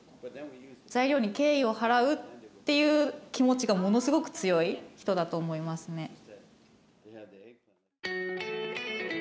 材料に敬意を払うっていう気持ちがものすごく強い人だと思いますね。